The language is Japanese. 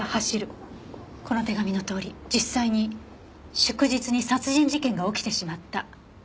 この手紙のとおり実際に祝日に殺人事件が起きてしまった。